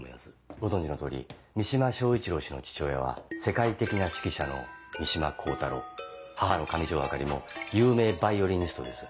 ご存じの通り三島彰一郎の父親は世界的な指揮者の三島光太郎母の上条あかりも有名ヴァイオリニストです。